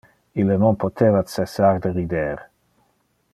Ille non poteva cessar de rider.